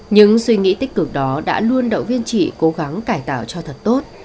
những suy nghĩ tích cực đó đã luôn động viên chị cố gắng cải tạo cho thật tốt